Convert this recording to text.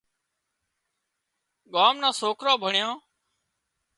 ڳام نان سوڪران ڀڻيان